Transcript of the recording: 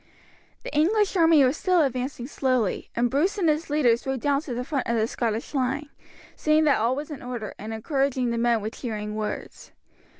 The English army was still advancing slowly, and Bruce and his leaders rode down to the front of the Scottish line, seeing that all was in order and encouraging the men with cheering words.